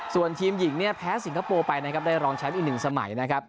ส่วนทีมหญิงเนี่ยแพ้สิงคโปร์ไปนะครับได้รองแชมป์อีกหนึ่งสมัยนะครับ